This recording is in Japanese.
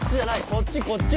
こっちこっち。